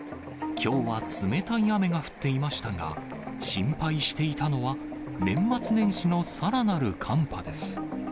きょうは冷たい雨が降っていましたが、心配していたのは年末年始のさらなる寒波です。